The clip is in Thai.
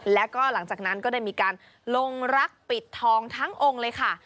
แล้วก็หลังจากนั้นก็ได้มีการลงรักปิดทองทั้งองค์เลยค่ะ